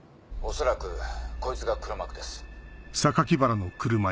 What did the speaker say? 恐らくこいつが黒幕です。